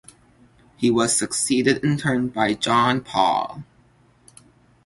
He was succeeded in turn by John Paul.